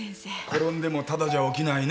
転んでもタダじゃ起きないね。